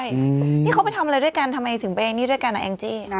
นี่เขาไปทำอะไรด้วยกันทำไมถึงไปเองนี่ด้วยกันอ่ะแองจี้